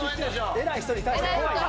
偉い人に対して怖いな。